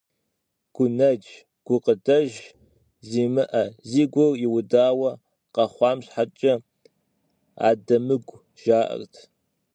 Гунэдж, гукъыдэж зимыӏэ, зи гур иудауэ къэхъуам щхьэкӏэ адэмыгу жаӏэрт.